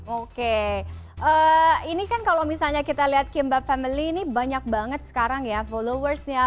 oke ini kan kalau misalnya kita lihat kimbab family ini banyak banget sekarang ya followersnya